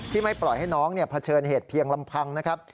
ไม่ปล่อยให้น้องเผชิญเหตุเพียงลำพังนะครับ